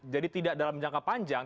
jadi tidak dalam jangka panjang